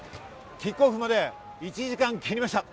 キックオフまで１時間を切りました。